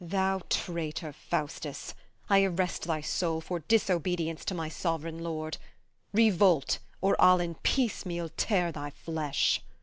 Thou traitor, Faustus, I arrest thy soul For disobedience to my sovereign lord: Revolt, or I'll in piece meal tear thy flesh.